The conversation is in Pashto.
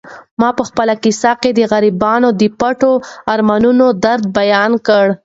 ما په خپله کیسه کې د غریبانو د پټو ارمانونو درد بیان کړ.